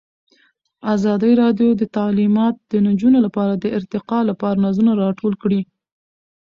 ازادي راډیو د تعلیمات د نجونو لپاره د ارتقا لپاره نظرونه راټول کړي.